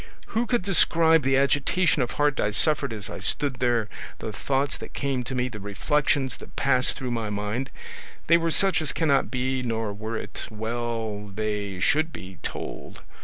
Who could describe the agitation of heart I suffered as I stood there the thoughts that came to me the reflections that passed through my mind? They were such as cannot be, nor were it well they should be, told.